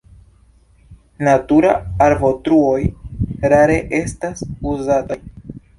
Natura arbotruoj rare estas uzataj.